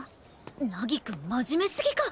凪くん真面目すぎか！